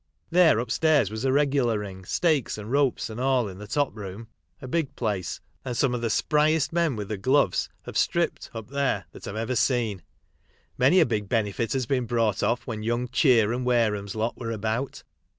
There, upstairs, was a regular ring, stakes, ropes, and all, in the top room, a big place, and some of the spriest men with the gloves have stripped up there that I've ever seen. Many a big benefit has been brought off when Young Cheer and Wareham's lot were about.